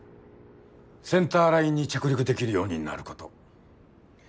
センターラインに着陸できるようになること。